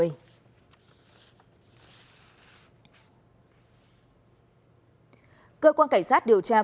cơ quan cảnh sát điều tra công an thị xã tịnh biên tỉnh an giang